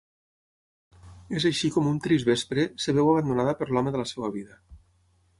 És així com un trist vespre, es veu abandonada per l'home de la seva vida.